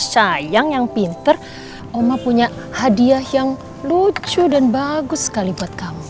sayang yang pinter oma punya hadiah yang lucu dan bagus sekali buat kamu